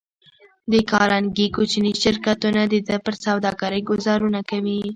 د کارنګي کوچني شرکتونه د ده پر سوداګرۍ ګوزارونه کوي